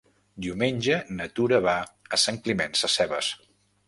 Diumenge na Tura va a Sant Climent Sescebes.